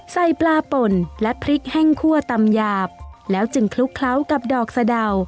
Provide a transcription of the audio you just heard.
ใส่ปลาป่นและพริกแห้งคั่วตำหยาบแล้วจึงคลุกเคล้ากับดอกสะดาว